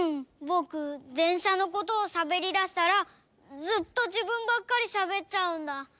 ぼくでんしゃのことをしゃべりだしたらずっとじぶんばっかりしゃべっちゃうんだ。